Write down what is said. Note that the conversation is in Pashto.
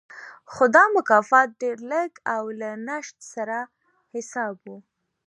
خو دا مکافات ډېر لږ او له نشت سره حساب و